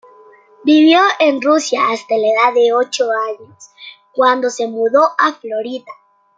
Vivió en Rusia hasta la edad de ocho años, cuando se mudó a Florida.